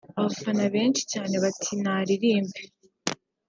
Abafana benshi cyane bati " Naririmbe